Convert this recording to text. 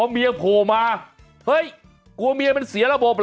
เมียโผล่มาเฮ้ยกลัวเมียมันเสียระบบเห